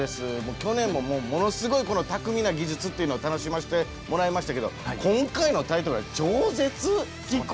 去年もものすごい巧みな技術っていうのを楽しませてもらいましたけど今回のタイトルは「超絶機巧」。